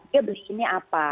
dia beliinnya apa